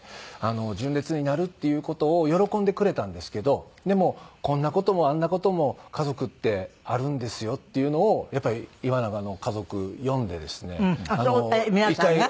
純烈になるっていう事を喜んでくれたんですけどでもこんな事もあんな事も家族ってあるんですよっていうのをやっぱり岩永の家族呼んでですね。